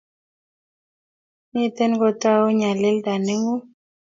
Miten kotau nyalilda nengung